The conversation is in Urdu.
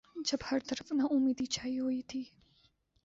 جب ہر طرف ناامیدی چھائی ہوئی تھی۔